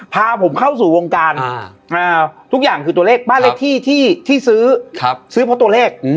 พาผมเข้าสู่วงการทุกอย่างคือตัวเลขบ้านเลขที่ที่ซื้อซื้อเพราะตัวเลข